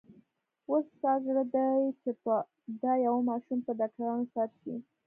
اوس ستا زړه دی چې په دا يوه ماشوم په ډاکټرانو سر شې.